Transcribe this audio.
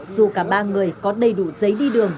dù cả ba người có đầy đủ giấy đi đường